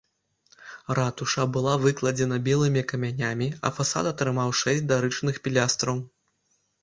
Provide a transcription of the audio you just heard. Ратуша была выкладзена белымі камянямі, а фасад атрымаў шэсць дарычных пілястраў.